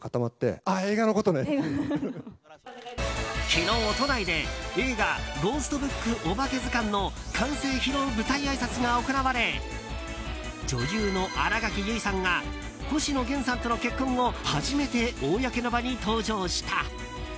昨日、都内で映画「ゴーストブックおばけずかん」の完成披露舞台あいさつが行われ女優の新垣結衣さんが星野源さんとの結婚後初めて公の場に登場した。